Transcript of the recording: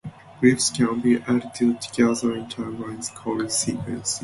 Clips can be edited together in timelines called sequences.